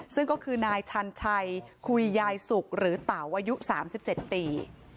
ซึ่งก็คือนายชันชัยคุยยายสุกหรือเต่าอายุ๓๗ปี